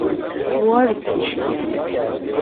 Uɣal-d ticki.